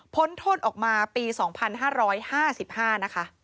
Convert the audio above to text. โทษออกมาปี๒๕๕๕นะคะ